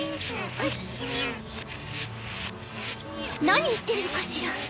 何言ってるのかしら？